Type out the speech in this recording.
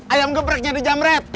ayam gepreknya di jam red